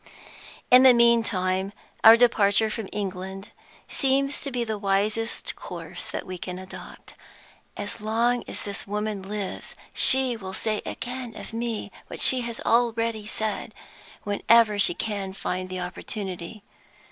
"In the meantime, our departure from England seems to be the wisest course that we can adopt. As long as this woman lives she will say again of me what she has said already, whenever she can find the opportunity.